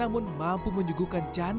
dan mengusung konsep perusahaan